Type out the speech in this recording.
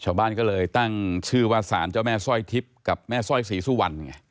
ชาวบ้านก็เลยตั้งชื่อว่าสารเจ้าแม่สร้อยทิพย์กับแม่สร้อยศรีสุวรรณไง